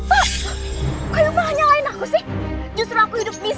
saya lagi kalau ber industries